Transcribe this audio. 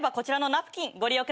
ナプキン？